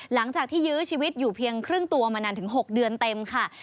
หลังจากที่ยื้อชีวิตอยู่เพียงครึ่งตัวมานานถึง๖เดือนเต็มค่ะ